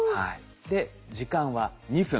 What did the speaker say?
で時間は２分。